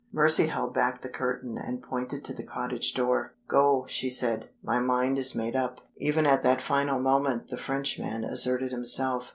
Mercy held back the curtain, and pointed to the cottage door. "Go," she said. "My mind is made up." Even at that final moment the Frenchman asserted himself.